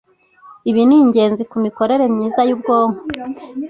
ibi ni ingenzi ku mikorere myiza y’ubwonko